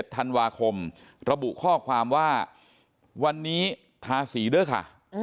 ธันวาคมระบุข้อความว่าวันนี้ทาสีด้วยค่ะ